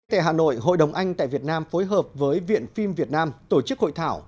tại hà nội hội đồng anh tại việt nam phối hợp với viện phim việt nam tổ chức hội thảo